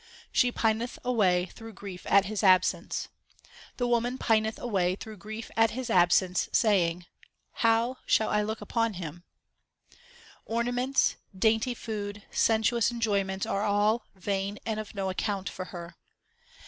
She pineth away through grief at His absence : The woman pineth away through grief at His absence, saying How shall I look upon Him ? 1 Mammon. HYMNS OF GURU NANAK 303 Ornaments, dainty food, sensuous enjoyments are all vain and of no account for her.